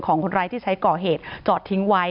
ของคนร้ายที่ใช้ก่อเหตุจอดทิ้งไว้